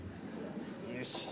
よし。